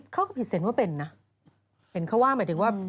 เขาก็ผิดเซ็นว่าเป็นนะเห็นเขาว่าหมายถึงว่า